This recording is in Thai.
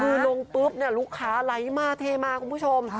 คือลงปุ๊บเนี่ยลูกค้าไหลมาเทมาคุณผู้ชม